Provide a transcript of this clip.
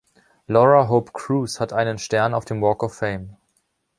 Laura Hope Crews hat einen Stern auf den Walk of Fame.